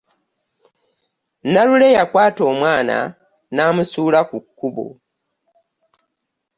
Nalule yakwata omwana namusula ku kubbo.